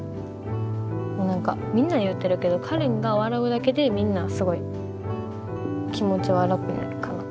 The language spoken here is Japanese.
もう何かみんなに言うてるけどかれんが笑うだけでみんなすごい気持ちは楽になるかなと。